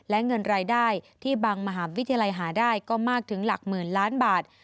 และเงินรายได้ที่บางมหาวิทยาลัยหาได้ก็มากถึงหลักหมื่นล้านบาท